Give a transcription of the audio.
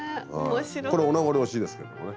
これお名残惜しいですけどもね。